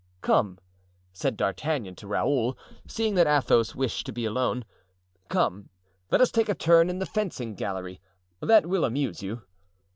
"Come," said D'Artagnan to Raoul, seeing that Athos wished to be alone, "come, let us take a turn in the fencing gallery; that will amuse you."